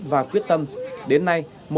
và quyết tâm đến nay